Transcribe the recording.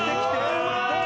うまい！